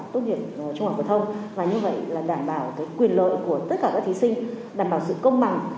tốt nghiệp trung học phổ thông và như vậy là đảm bảo quyền lợi của tất cả các thí sinh đảm bảo sự công bằng